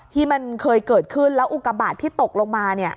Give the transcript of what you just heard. ที่มันเคยเกิดขึ้นแล้วอุกบาทที่ตกลงมาเนี่ย